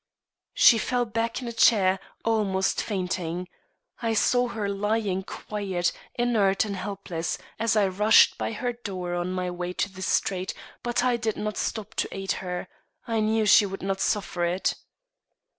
She fell back in a chair, almost fainting. I saw her lying quiet, inert and helpless as I rushed by her door on my way to the street, but I did not stop to aid her. I knew she would not suffer it.